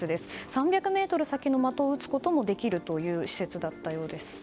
３００ｍ先の的を撃つこともできるという施設だったようです。